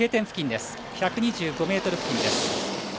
１２５ｍ付近です。